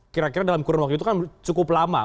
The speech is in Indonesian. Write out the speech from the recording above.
kira kira dalam kurun waktu itu kan cukup lama